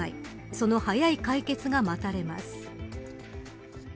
その早い解決が待たれます。